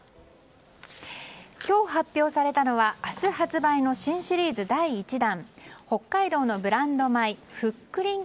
今日発表されたのは明日発売の新シリーズ第１弾北海道のブランド米ふっくりん